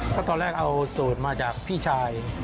ก็ตอนแรกเอาสูตรมาจากพี่ชาย